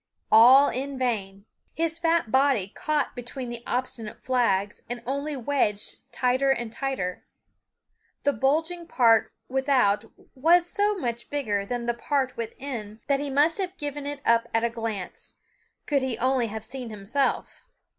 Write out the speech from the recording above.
All in vain! His fat body caught between the obstinate flags and only wedged tighter and tighter. The bulging part without was so much bigger than the part within that he must have given it up at a glance, could he only have seen himself.